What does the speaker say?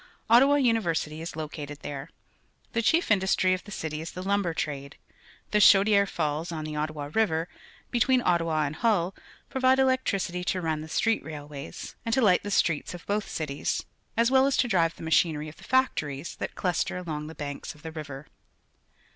Ottawa University is located there. The cliief industry of the crty is the lumber tr_ade. The Chaudiere Falls on the Ottawa River, between Ottawa and Hull, provide electricity to run the street railways and to light the streets of both cities, as well as to drive the machinery of the factories that cluster along the banks of the river.